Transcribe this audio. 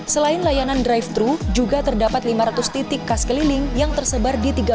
selain layanan drive thru juga terdapat lima ratus titik kas keliling yang tersebar di tiga